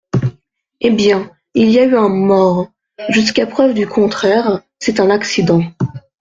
Eh bien, il y a eu un mort. Jusqu’à preuve du contraire c’est un accident.